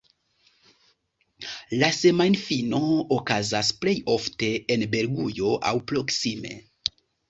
La semajnfino okazas plej ofte en Belgujo aŭ proksime.